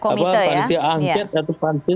atau anget atau pancit